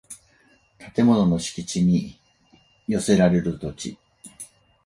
建物の敷地に供せられる土地